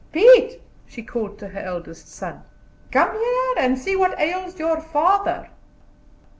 "Pete!" she called to her eldest son, "come here, and see what ails your father."